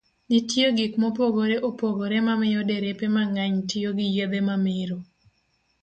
Nitie gik mopogore opogore mamiyo derepe mang'eny tiyo gi yedhe mamero.